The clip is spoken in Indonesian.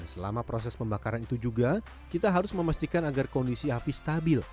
selama proses pembakaran itu juga kita harus memastikan agar kondisi api stabil